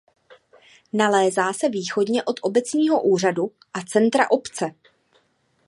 Nalézá se východně od obecního úřadu a centra obce.